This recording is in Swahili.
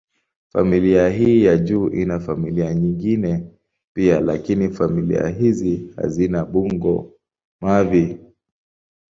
Familia hii ya juu ina familia nyingine pia, lakini familia hizi hazina bungo-mavi.